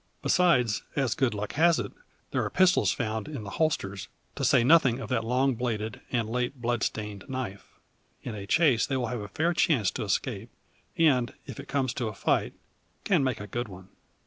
Besides, as good luck has it, there are pistols found in the holsters, to say nothing of that long bladed, and late blood stained, knife. In a chase they will have a fair chance to escape; and, if it come to a fight, can make a good one.